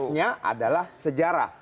konteksnya adalah sejarah